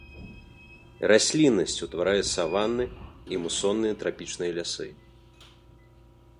Расліннасць утварае саванны і мусонныя трапічныя лясы.